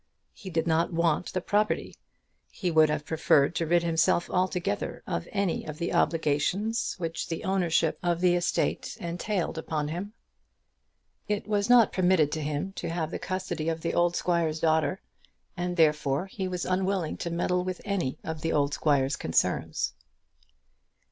He did not want the property. He would have preferred to rid himself altogether of any of the obligations which the ownership of the estate entailed upon him. It was not permitted to him to have the custody of the old squire's daughter, and therefore he was unwilling to meddle with any of the old squire's concerns.